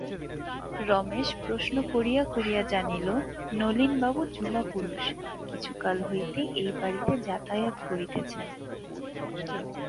রমেশ প্রশ্ন করিয়া করিয়া জানিল নলিনবাবু যুবাপুরুষ, কিছুকাল হইতে এই বাড়িতে যাতায়াত করিতেছেন।